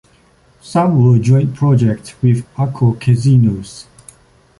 Some were joint projects with Accor Casinos.